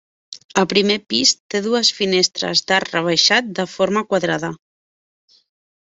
El primer pis té dues finestres d'arc rebaixat de forma quadrada.